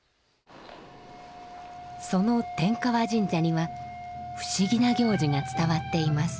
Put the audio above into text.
その天河神社には不思議な行事が伝わっています。